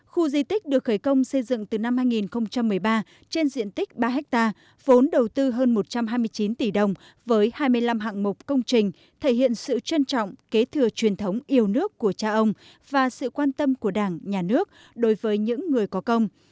khu di tích được khởi công xây dựng từ năm hai nghìn một mươi ba trên diện tích ba hectare vốn đầu tư hơn một trăm hai mươi chín tỷ đồng với hai mươi năm hạng mục công trình thể hiện sự trân trọng kế thừa truyền thống yêu nước của cha ông và sự quan tâm của đảng nhà nước đối với những người có công